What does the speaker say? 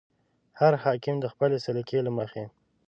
هر حاکم د خپلې سلیقې له مخې.